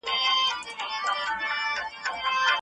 ماشوم ته په مینه غېږ ورکړئ.